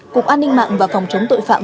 cục an ninh mạng và phòng chống tội phạm